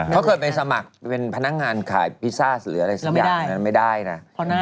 เขาเคยไปสมัครเป็นพนักงานขายพิซซ์ยังอย่างนั้นไม่ได้นะ